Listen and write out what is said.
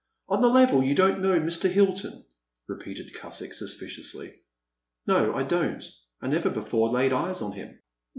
*' On the level you don't know, Mr. Hilton ?" repeated Cusick, suspiciously. '* No, I don't ; I never before laid eyes on him.